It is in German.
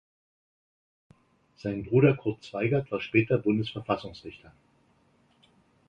Sein Bruder Kurt Zweigert war späterer Bundesverfassungsrichter.